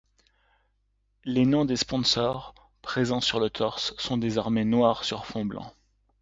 Les noms des sponsors, présents sur le torse, sont désormais noirs sur fond blanc.